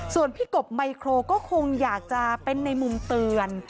ส่วนพี่กบไมโครก็คงอยากจะเป็นในมุมเตือน